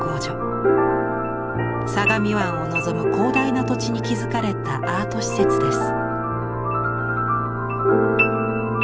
相模湾を望む広大な土地に築かれたアート施設です。